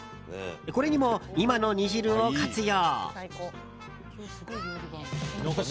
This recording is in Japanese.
これにも、今の煮汁を活用。